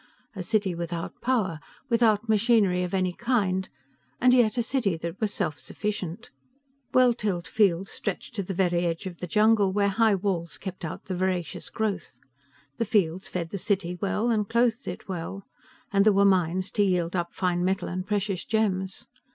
A city without power, without machinery of any kind, and yet a city that was self sufficient. Well tilled fields stretched to the very edge of the jungle, where high walls kept out the voracious growth. The fields fed the city well, and clothed it well. And there were mines to yield up fine metal and precious gems.